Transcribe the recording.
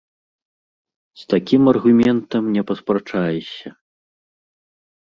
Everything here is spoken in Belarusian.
З такім аргументам не паспрачаешся.